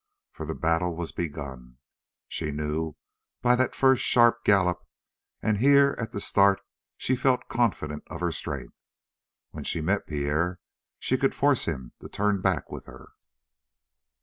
For the battle was begun, she knew, by that first sharp gallop, and here at the start she felt confident of her strength. When she met Pierre she could force him to turn back with her.